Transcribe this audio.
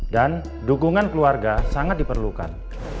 dan dukungan keluarga sangat diperlukan